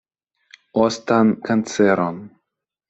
Ostan kanceron.